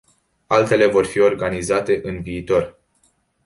Altele vor fi organizate în viitor.